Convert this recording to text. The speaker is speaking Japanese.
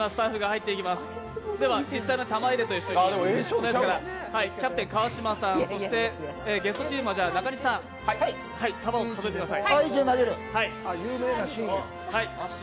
実際の玉入れと一緒にキャプテン・川島さん、ゲストチームは中西さん玉を数えてください。